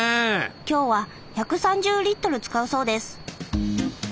今日は１３０リットル使うそうです。